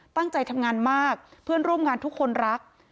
ตั้งใจทำงานมากเพื่อนร่วมงานทุกคนรัก